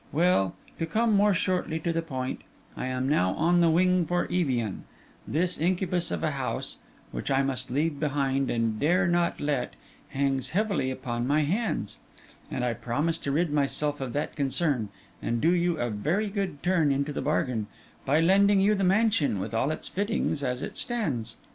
Well, to come more shortly to the point, I am now on the wing for Evian; this incubus of a house, which I must leave behind and dare not let, hangs heavily upon my hands; and I propose to rid myself of that concern, and do you a very good turn into the bargain, by lending you the mansion, with all its fittings, as it stands.